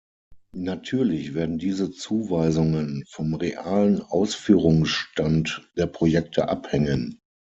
Natürlich werden diese Zuweisungen vom realen Ausführungsstand der Projekte abhängen.